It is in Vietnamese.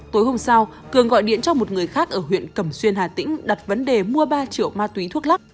tối hôm sau cường gọi điện cho một người khác ở huyện cẩm xuyên hà tĩnh đặt vấn đề mua ba triệu ma túy thuốc lắc